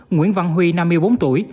nguyễn văn huy năm mươi bốn tuổi